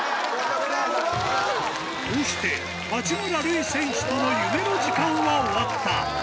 こうして八村塁選手との夢の時間は終わった。